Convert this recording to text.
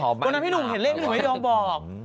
ตอนนั้นพี่หนุ่มเห็นเลขผมไม่ยอมบอก